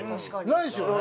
ないですよね。